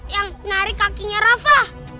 yang menarik kakinya rafa